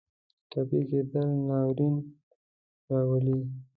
ټپي کېدل ناورین راولي.